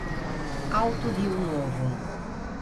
Alto Rio Novo